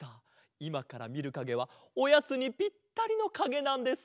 いまからみるかげはおやつにぴったりのかげなんです。